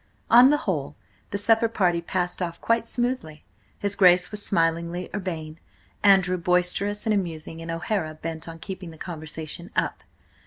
On the whole, the supper party passed off quite smoothly. His Grace was smilingly urbane, Andrew boisterous and amusing, and O'Hara bent on keeping the conversation up.